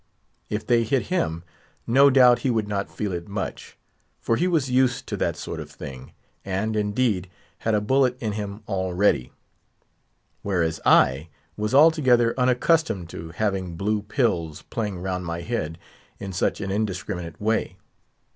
If they hit him, no doubt he would not feel it much, for he was used to that sort of thing, and, indeed, had a bullet in him already. Whereas, I was altogether unaccustomed to having blue pills playing round my head in such an indiscriminate way.